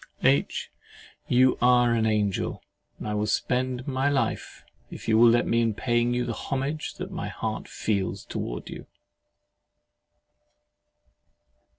H. You are an angel, and I will spend my life, if you will let me, in paying you the homage that my heart feels towards you.